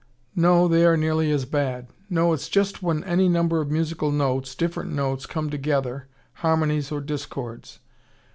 "No they are nearly as bad. No, it's just when any number of musical notes, different notes, come together, harmonies or discords.